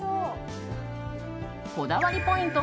こだわりポイント